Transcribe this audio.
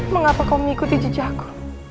mengapa kau mengikuti jejakku